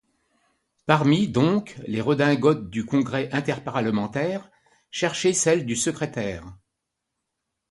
Parmi, donc, les redingotes du Congrès interparlementaire, cherchez celle du secrétaire.